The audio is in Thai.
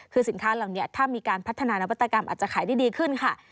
คือสินค้าเหล่านี้ถ้ามีการพัฒนานวัตกรรมอาจจะขายได้ดีขึ้นค่ะ